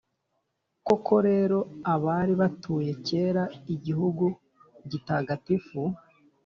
Koko rero, abari batuye kera igihugu gitagatifu,